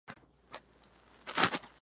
Ese mismo año recibió el estatus de ciudad.